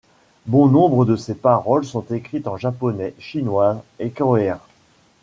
Bon nombre de ces paroles sont écrites en japonais, chinois et coréen.